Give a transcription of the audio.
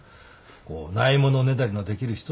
こう無い物ねだりのできる人。